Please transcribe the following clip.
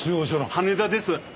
羽田です。